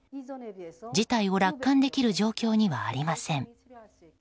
事態を楽観できる状況にはありません。